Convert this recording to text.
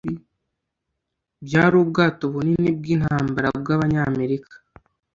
Byari ubwato bunini bwintambara bwabanyamerika.